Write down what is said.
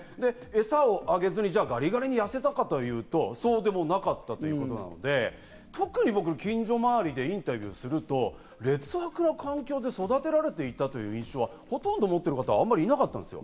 餌をあげずにガリガリに痩せたかというと、そうでもなかったということなので、特に僕、近所周りでインタビューをすると、劣悪な環境で育てられていたという印象はほとんど持っている方はいなかったです。